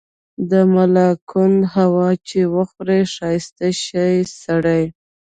د ملاکنډ هوا چي وخوري ښايسته شی سړے